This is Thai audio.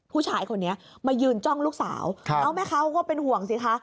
ผู้ชายคนนี้มายืนจ้องลูกสาวแม่เขาก็เป็นห่วงสิคะ